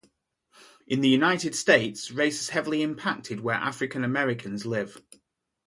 In the United States, race has heavily impacted where African-Americans live.